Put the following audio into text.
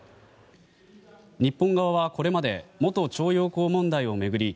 日本側は、これまで元徴用工問題を巡り